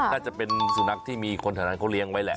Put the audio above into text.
น่าจะเป็นสุนัขที่มีคนแถวนั้นเขาเลี้ยงไว้แหละ